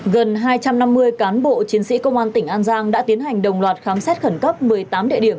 gần hai trăm năm mươi cán bộ chiến sĩ công an tỉnh an giang đã tiến hành đồng loạt khám xét khẩn cấp một mươi tám địa điểm